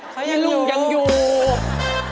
เขายังอยู่เขาอยู่ไง